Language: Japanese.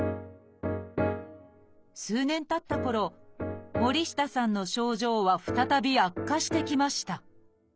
数年たったころ森下さんの症状は再び悪化してきました